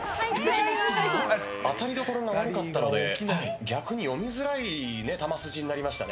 当たりどころが悪かったので逆に読みづらい球筋になりましたね。